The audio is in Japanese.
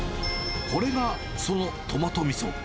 これがそのトマトみそ。